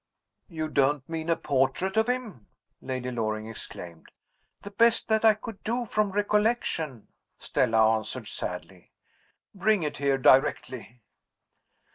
"You don't mean a portrait of him!" Lady Loring exclaimed. "The best that I could do from recollection," Stella answered sadly. "Bring it here directly!"